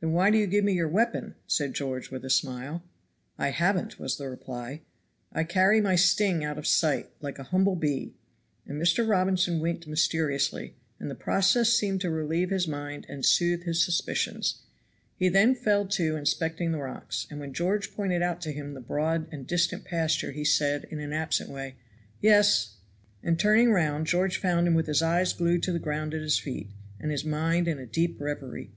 "Then why do you give me your weapon?" said George with a smile. "I haven't," was the reply. "I carry my sting out of sight, like a humble bee." And Mr. Robinson winked mysteriously, and the process seemed to relieve his mind and soothe his suspicions. He then fell to inspecting the rocks; and when George pointed out to him the broad and distant pasture he said, in an absent way, "Yes;" and turning round George found him with his eyes glued to the ground at his feet, and his mind in a deep reverie.